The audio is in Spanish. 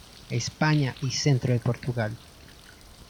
España y centro de Portugal.